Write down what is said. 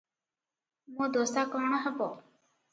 ମୋ ଦଶା କଣ ହେବ?